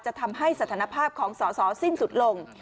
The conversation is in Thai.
จะทำให้สถานภาพของสอสอสิ้นสุดลง